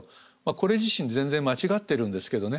これ自身全然間違ってるんですけどね。